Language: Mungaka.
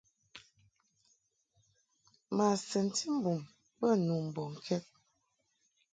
Ma sɛnti mbum bə nu mbɔŋkɛd.